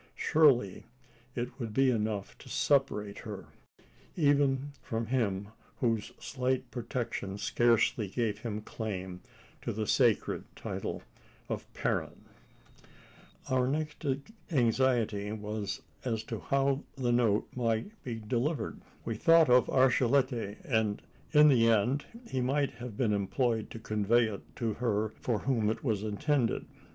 Surely it would be enough to separate her even from him whose slight protection scarcely gave him claim to the sacred title of parent? Our next anxiety was, as to how the note might be delivered. We thought of Archilete; and in the end he might have been employed to convey it to her for whom it was intended.